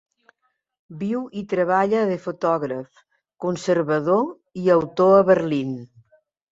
Viu i treballa de fotògraf, conservador, i autor a Berlín.